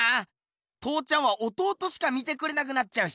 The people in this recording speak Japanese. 父ちゃんは弟しか見てくれなくなっちゃうしな。